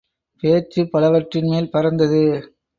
பேச்சு பலவற்றின் மேல் பறந்தது.